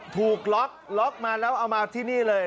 ถูกล็อกล็อกมาแล้วเอามาที่นี่เลย